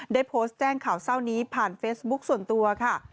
ได้โพสต์แจ้งข่าวเศร้านี้ผ่านเฟซบุ๊คส่วนตัวค่ะ